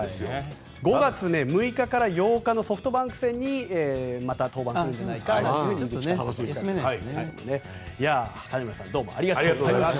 ５月６日から８日のソフトバンク戦にまた登板するんじゃないかという話です。